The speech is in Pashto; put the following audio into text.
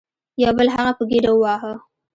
یو بل هغه په ګیډه وواهه.